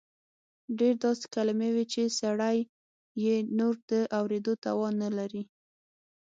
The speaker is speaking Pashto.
ډېر داسې کلیمې وې چې سړی یې نور د اورېدو توان نه لري.